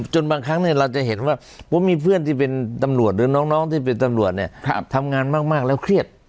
จนบางครั้งเราจะเห็นว่าผมมีเพื่อนที่เป็นตำรวจหรือน้องที่เป็นตำรวจเนี่ยทำงานมากแล้วเครียด